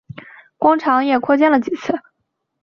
工厂也扩建了几次。